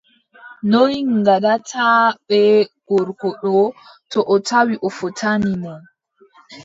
Noy ngaɗataa bee gorko ɗoo, to o tawi a fottani mo ?